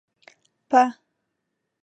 په